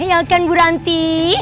ya kan bu ranti